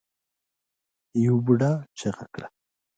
يوه بوډا چيغه کړه.